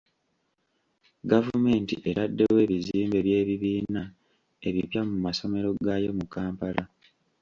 Gavumenti etaddewo ebizimbe by'ebibiina ebipya mu masomero gaayo mu Kampala.